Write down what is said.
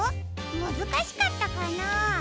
むずかしかったかな？